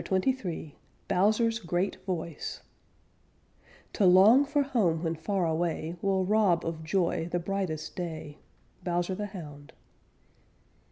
CHAPTER XXIII BOWSER'S GREAT VOICE To long for home when far away Will rob of joy the brightest day. _Bowser the Hound.